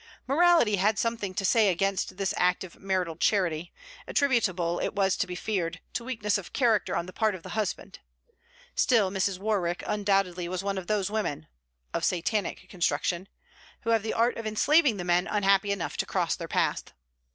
Morality had something to say against this active marital charity, attributable, it was to be feared, to weakness of character on the part of the husband. Still Mrs. Warwick undoubtedly was one of those women (of Satanic construction) who have the art of enslaving the men unhappy enough to cross their path.